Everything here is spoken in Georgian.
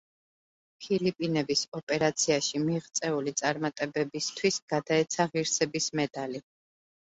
ფილიპინების ოპერაციაში მიღწეული წარმატებებისთვის გადაეცა ღირსების მედალი.